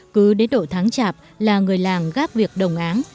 cứ đến độ tháng chạp là người làng gác việc đồng áng